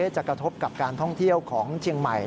จะกระทบกับการท่องเที่ยวของเชียงใหม่